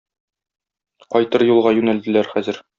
Кайтыр юлга юнәлделәр хәзер.